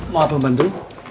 mau abang bantu